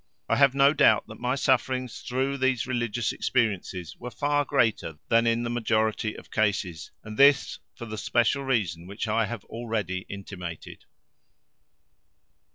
I have no doubt that my sufferings through these religious experiences were far greater than in the majority of cases, and this for the special reason which I have already intimated.